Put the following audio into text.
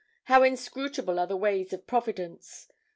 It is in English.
How inscrutable are the ways of Providence!